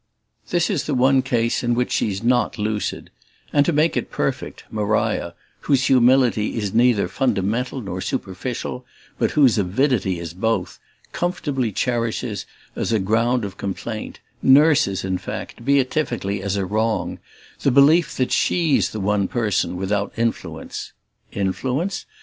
This is the one case in which she's not lucid; and, to make it perfect, Maria, whose humility is neither fundamental nor superficial, but whose avidity is both, comfortably cherishes, as a ground of complaint nurses in fact, beatifically, as a wrong the belief that she's the one person without influence. Influence?